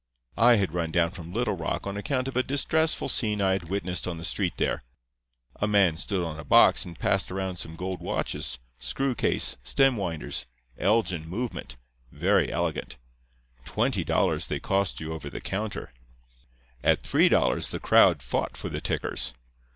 I had run down from Little Rock on account of a distressful scene I had witnessed on the street there. A man stood on a box and passed around some gold watches, screw case, stem winders, Elgin movement, very elegant. Twenty bucks they cost you over the counter. At three dollars the crowd fought for the tickers.